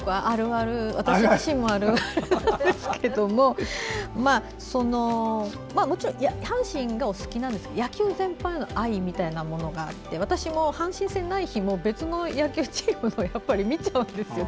私自身もあるあるですがもちろん阪神がお好きですけど野球全体の愛があって私も阪神戦ない日も別の野球チームをやっぱり見ちゃうんですよね